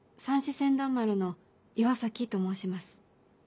船団丸の岩崎と申します。